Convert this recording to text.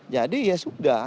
jadi ya sudah